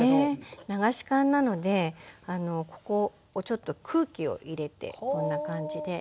流し函なのでここをちょっと空気を入れてこんな感じで。